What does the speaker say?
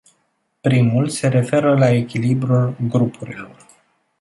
Primul se referă la echilibrul grupurilor.